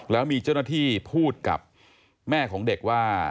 แล้วมีเจ้าหน้าที่พูดกับแม่ของเด็กว่า